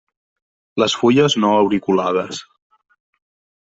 Les fulles no auriculades.